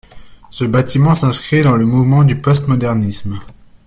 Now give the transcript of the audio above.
Ce bâtiment s'inscrit dans le mouvement du postmodernisme.